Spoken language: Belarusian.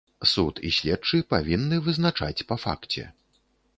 Суд і следчы павінны вызначаць па факце.